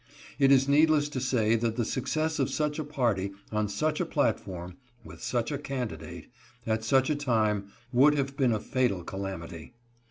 It is needless to say that the success of such a party, on such a platform, with such a candidate, at such a time, would have been a fatal calamity.